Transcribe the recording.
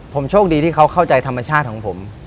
ผมโชคดีที่เขาเข้าใจธรรมชาติของผม